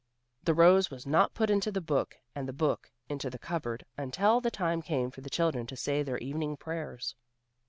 The rose was not put into the book and the book into the cup board, until the time came for the children to say their evening prayers.